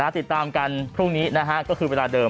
ติดตามกันพรุ่งนี้ก็คือเวลาเดิม